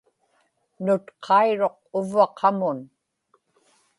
nutqairuq uvva qamun